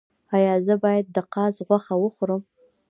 ایا زه باید د قاز غوښه وخورم؟